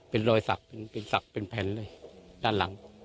เป็นรอยศักดิ์เป็นสักเป็นแผนเลยด้านหลัง